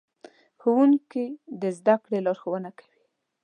ښوونکي د زدهکړې لارښوونه کوي.